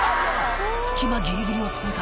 隙間ギリギリを通過